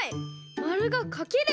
まるがかける！